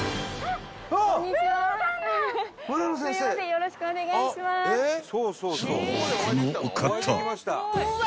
よろしくお願いします。